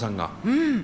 うん。